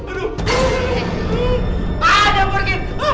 aduh ayo jangan pergi